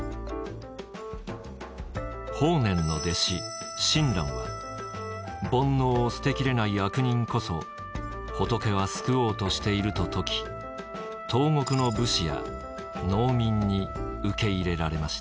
法然の弟子親鸞は「煩悩を捨て切れない悪人こそ仏は救おうとしている」と説き東国の武士や農民に受け入れられました。